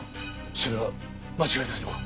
それは間違いないのか？